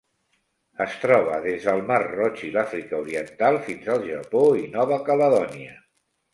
Es troba des del mar Roig i l'Àfrica Oriental fins al Japó i Nova Caledònia.